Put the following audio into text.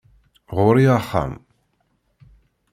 Ɣur-i axxam